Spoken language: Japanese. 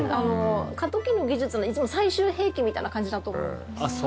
過渡期の技術の最終兵器みたいな感じだと思います。